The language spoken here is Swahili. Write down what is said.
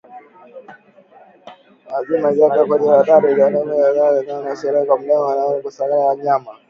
wazima kiafya huwa kwenye hatari ya kuambukizwa wanapojigusisha kwenye madonda au kugusana na wanyama